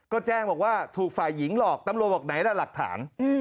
ก็แจ้งบอกว่าถูกฝ่ายหญิงหลอกตำรวจบอกไหนล่ะหลักฐาน